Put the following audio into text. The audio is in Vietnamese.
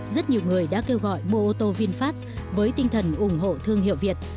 rất nhiều người đã kêu gọi mua ô tô vinfast với tinh thần ủng hộ thương hiệu việt